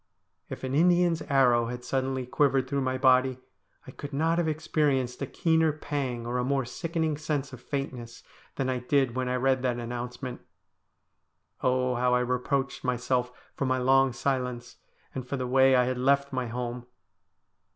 If an Indian's arrow had suddenly quivered through my body, I could not have experienced a keener pang, or a more sickening sense of faintness, than I did when I read that announcement. Oh, how I reproached myself for my long silence, and for the way I had left my home